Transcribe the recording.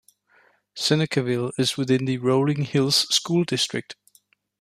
Senecaville is within the Rolling Hills School District.